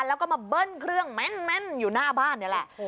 แล้วก็มาเบิ้ลเครื่องแม่นอยู่หน้าบ้านนี่แหละ